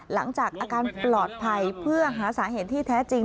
หลังจากอาการปลอดภัยเพื่อหาสาเหตุที่แท้จริง